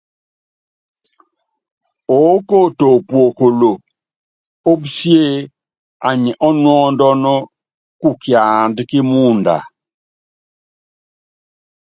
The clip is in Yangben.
Oókoto puokolo ópusíé anyi elúkéne kiandá kí mɔɔnd.